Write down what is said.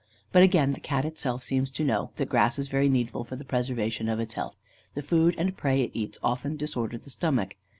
But, again, the Cat itself seems to know that grass is very needful for the preservation of its health. The food and prey it eats often disorder the stomach.